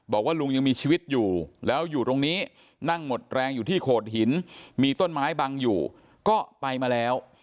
บอกว่าลุงยังมีชีวิตอยู่แล้วอยู่ตรงนี้นั่งหมดแรงอยู่ที่โขดหินมีต้นไม้บังอยู่ก็ไปมาแล้ว